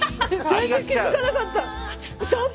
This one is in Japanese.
全然気付かなかった。